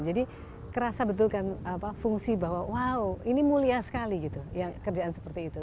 jadi terasa betul kan fungsi bahwa wow ini mulia sekali gitu kerjaan seperti itu